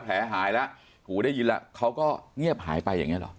หายแล้วหูได้ยินแล้วเขาก็เงียบหายไปอย่างนี้หรอ